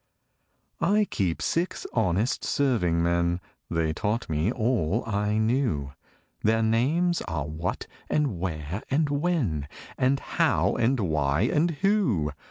I Keep six honest serving men: (They taught me all I knew) Their names are What and Where and When And How and Why and Who.